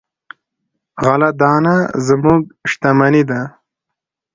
غله دانه زموږ شتمني ده.